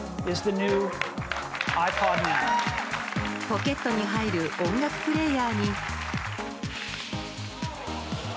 ポケットに入る音楽プレーヤーに。